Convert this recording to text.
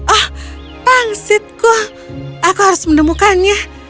oh pangsitku aku harus menemukannya